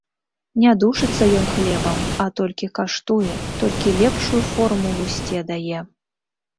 Не душыцца ён хлебам, а толькі каштуе, толькі лепшую форму лусце дае.